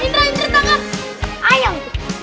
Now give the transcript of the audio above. indra takap ayam